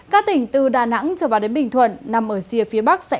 các tỉnh từ đà nẵng cho vào đến bình thuận nằm ở xìa phía bắc